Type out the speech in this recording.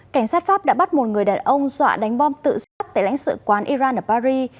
cảnh sát pháp đã bắt một người đàn ông dọa đánh bom tự sát tại lãnh sự quán iran ở paris